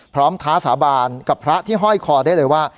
ท้าสาบานกับพระที่ห้อยคอได้เลยว่า